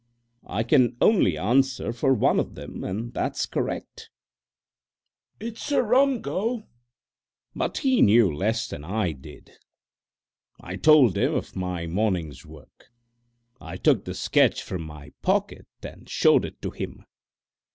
"I can only answer for one of them, and that's correct." "It's a rum go!" he said. But he knew less than I did. I told him of my morning's work. I took the sketch from my pocket and showed it to him.